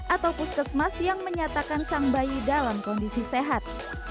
atau puskesmas yang menyatakan sang bayi dalam kondisi sehat